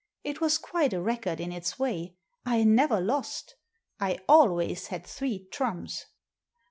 It was quite a record in its way. I never lost; I always had three trumps.